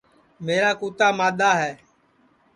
میرا کُوتا مادؔاہے